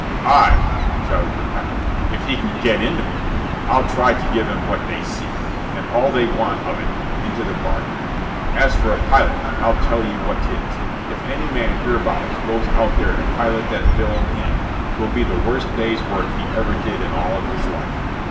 "Aye," shouted the pirate, "if he can get in to me, I'll try to give 'em what they seek, and all they want of it into the bargain. As for a pilot, I tell ye what 'tis if any man hereabouts goes out there to pilot that villain in 'twill be the worst day's work he ever did in all of his life.